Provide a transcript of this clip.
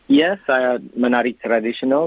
iya saya menari tradisional